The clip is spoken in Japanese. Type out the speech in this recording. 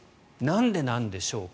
なんでなんでしょうか。